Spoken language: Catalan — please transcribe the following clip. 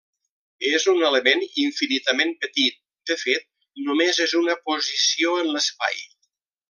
És un element infinitament petit, de fet, només és una posició en l'espai.